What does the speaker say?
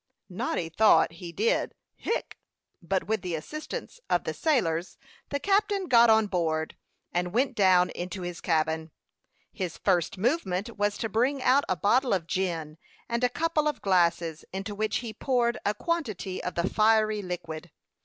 Noddy thought he did "hic;" but with the assistance of the sailors, the captain got on board, and went down into his cabin. His first movement was to bring out a bottle of gin and a couple of glasses, into which he poured a quantity of the fiery liquor.